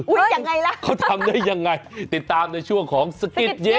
ยังไงล่ะเขาทำได้ยังไงติดตามในช่วงของสกิดเย็น